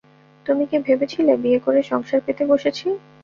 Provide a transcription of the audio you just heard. তুমি কি ভেবেছিলে বিয়ে করে, সংসার পেতে বসেছি?